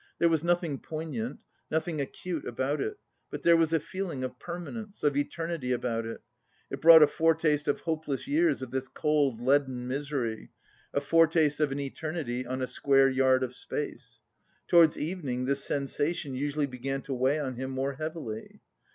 There was nothing poignant, nothing acute about it; but there was a feeling of permanence, of eternity about it; it brought a foretaste of hopeless years of this cold leaden misery, a foretaste of an eternity "on a square yard of space." Towards evening this sensation usually began to weigh on him more heavily.